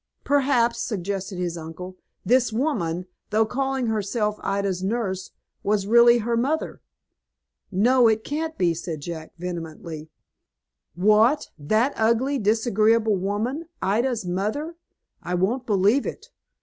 "Perhaps," suggested his uncle, "this woman, though calling herself Ida's nurse, was really her mother." "No, it can't be," said Jack, vehemently. "What, that ugly, disagreeable woman, Ida's mother! I won't believe it.